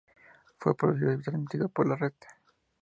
Fue producido y transmitido por La Red.